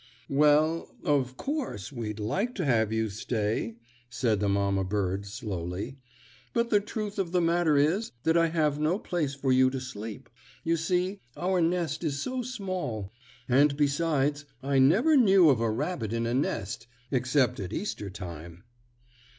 "Well, of course we'd like to have you stay," said the mamma bird, slowly, "but the truth of the matter is that I have no place for you to sleep. You see, our nest is so small; and besides, I never knew of a rabbit in a nest, except at Easter time."